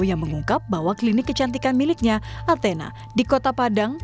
yang mengungkap bahwa klinik kecantikan miliknya athena di kota padang